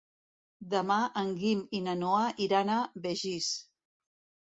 Demà en Guim i na Noa iran a Begís.